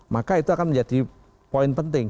maka itu akan menjadi poin penting